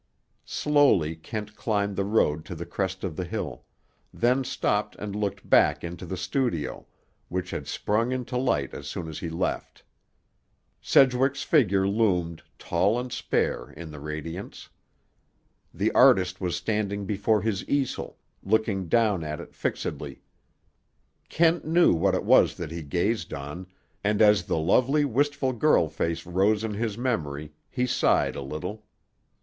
Slowly Kent climbed the road to the crest of the hill; then stopped and looked back into the studio, which had sprung into light as soon as he left. Sedgwick's figure loomed, tall and spare, in the radiance. The artist was standing before his easel, looking down at it fixedly. Kent knew what it was that he gazed on, and as the lovely wistful girl face rose in his memory he sighed, a little.